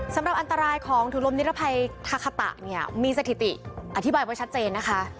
สำหรับอันตรายของถุงลมนิรภัยทาคาตะเนี่ยมีสถิติอธิบายไว้ชัดเจนนะคะ